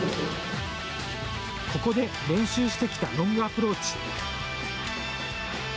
ここで、練習してきたロングアプローチ。